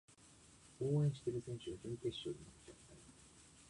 応援してる選手が準決勝で負けちゃったよ